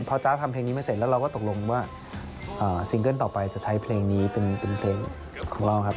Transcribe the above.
พอจ๊ะทำเพลงนี้มาเสร็จแล้วเราก็ตกลงว่าซิงเกิ้ลต่อไปจะใช้เพลงนี้เป็นเพลงของเราครับ